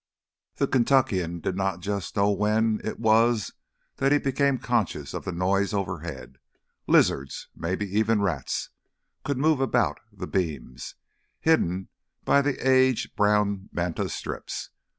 The Kentuckian did not know just when it was that he became conscious of the noise overhead. Lizards—maybe even rats—could move about the beams, hidden by the age browned manta strips.